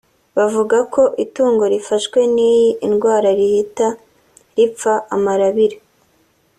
Bavuga ko itungo rifashwe n’iyi indwara rihita ripfa amarabira